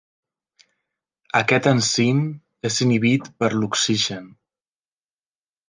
Aquest enzim és inhibit per l'oxigen.